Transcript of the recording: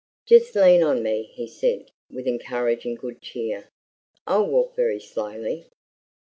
"Just lean on me," he said, with encouraging good cheer. "I'll walk very slowly."